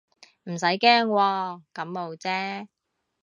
唔使驚喎，感冒啫